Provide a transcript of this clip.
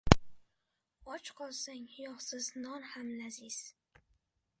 • Och qolsang, yog‘siz non ham laziz.